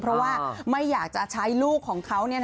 เพราะว่าไม่อยากจะใช้ลูกของเขา